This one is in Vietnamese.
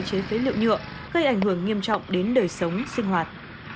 chế phế liệu nhựa gây ảnh hưởng nghiêm trọng đến đời sống sinh hoạt